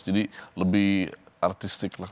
jadi lebih artistik lah